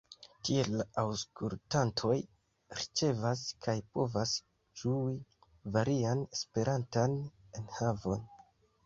Tiel la aŭskultantoj ricevas kaj povas ĝui varian Esperantan enhavon.